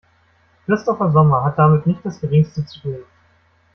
Christopher Sommer hat damit nicht das Geringste zu tun.